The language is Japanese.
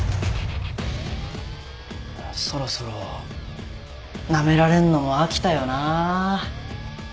そろそろナメられんのも飽きたよな。